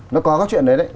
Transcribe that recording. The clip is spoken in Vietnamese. nó có các chuyện đấy đấy